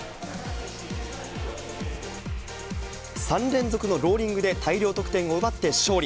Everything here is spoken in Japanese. ３連続のローリングで大量得点を奪って、勝利。